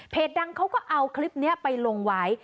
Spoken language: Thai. ดังเขาก็เอาคลิปนี้ไปลงไว้